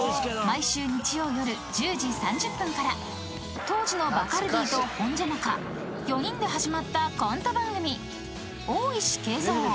［毎週日曜夜１０時３０分から当時のバカルディとホンジャマカ４人で始まったコント番組『大石恵三』］